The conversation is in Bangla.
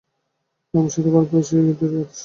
রাম ও সীতা ভারতবাসীদের আদর্শ।